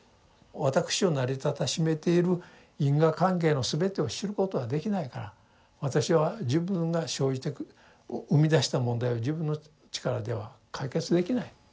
私を成り立たしめている因果関係の全てを知ることはできないから私は自分が生じて生み出した問題を自分の力では解決できない。